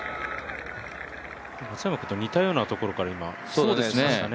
松山君と似たようなところから打ちましたね。